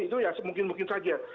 itu ya mungkin mungkin saja